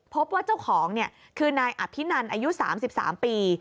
พบว่าเจ้าของคือนายอภินันอายุ๓๓ปี